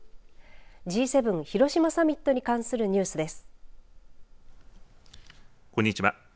Ｇ７広島サミットに関するニュースです。